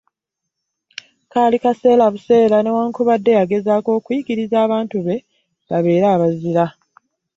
Kaali kaseera buseera newakubadde yagezaako okuyigiriza abantu be babeere abazira.